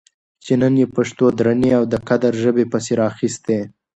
چې نن یې پښتو درنې او د قدر ژبې پسې راخیستې